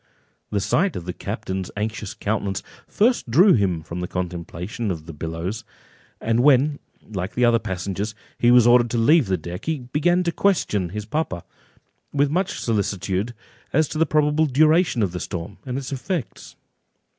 The sight of the captain's anxious countenance first drew him from the contemplation of the billows; and when, like the other passengers, he was ordered to leave the deck, he began to question his papa, with much solicitude, as to the probable duration of the storm, and its effects.